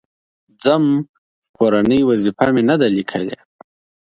_ځم، کورنۍ وظيفه مې نه ده ليکلې.